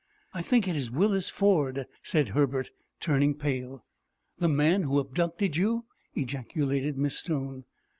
"I think it is Willis Ford," said Herbert, turning pale. "The man who abducted you?" ejaculated Miss Stone.